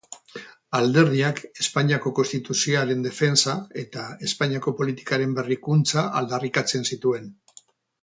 Alderdiak Espainiako Konstituzioaren defentsa eta Espainiako politikaren berrikuntza aldarrikatzen zituen.